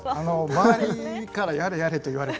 周りから「やれやれ」と言われて。